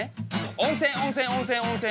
温泉温泉温泉温泉温泉。